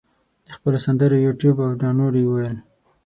د خپلو سندرو یوټیوب او دانلود یې وویل.